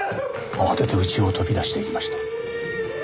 慌てて家を飛び出していきました。